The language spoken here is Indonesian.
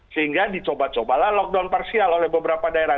sehingga dicoba cobalah lockdown parsial oleh beberapa daerah